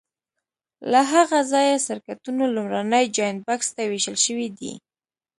له هغه ځایه سرکټونو لومړني جاینټ بکس ته وېشل شوي دي.